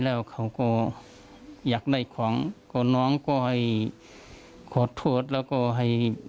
แล้วเขาก็อยากได้ของก็น้องก็ให้ขอโทษแล้วก็ให้